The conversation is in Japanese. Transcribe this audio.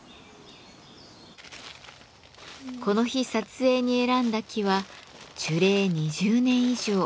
この日撮影に選んだ木は樹齢２０年以上。